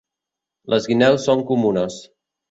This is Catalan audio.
Les guineus són comunes.